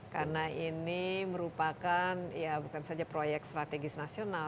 karena ini merupakan bukan saja proyek strategis nasional